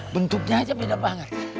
bentuknya aja beda banget